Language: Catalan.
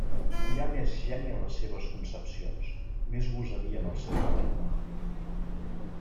Hi ha més geni en les seves concepcions, més gosadia en el seu tarannà.